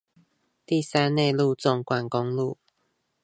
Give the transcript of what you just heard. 第三內陸縱貫公路